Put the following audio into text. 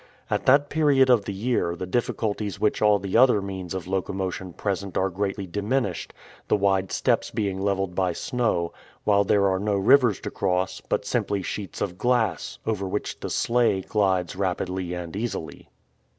At that period of the year the difficulties which all other means of locomotion present are greatly diminished, the wide steppes being leveled by snow, while there are no rivers to cross, but simply sheets of glass, over which the sleigh glides rapidly and easily.